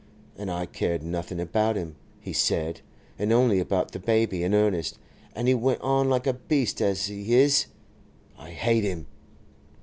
And I cared nothing about him, he said, and only about the baby and Ernest. And he went on like a beast, as he is! I hate him!